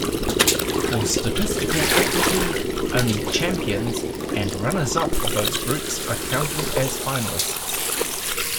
For statistical equity, only champions and runners-up of those groups are counted as finalists.